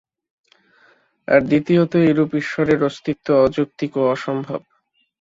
আর দ্বিতীয়ত এইরূপ ঈশ্বরের অস্তিত্ব অযৌক্তিক ও অসম্ভব।